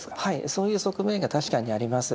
そういう側面が確かにあります。